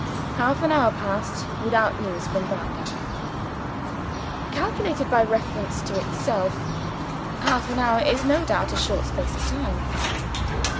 Half an hour passed, without news from Browndown. Calculated by reference to itself, half an hour is no doubt a short space of time.